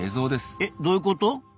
えどういうこと？